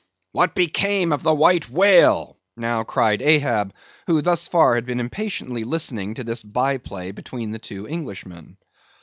"What became of the White Whale?" now cried Ahab, who thus far had been impatiently listening to this by play between the two Englishmen.